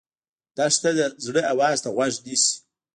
دښته د زړه آواز ته غوږ نیسي.